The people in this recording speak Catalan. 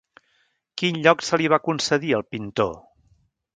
Quin lloc se li va concedir al pintor?